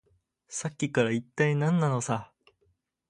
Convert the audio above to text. さっきから、いったい何なのさ。